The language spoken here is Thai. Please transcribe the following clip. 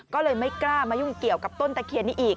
ก็เลยไม่กล้ามายุ่งเกี่ยวกับต้นตะเคียนนี้อีก